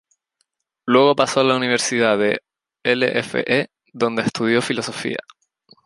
Luego pasó a la Universidad de Ife, donde estudió Filosofía.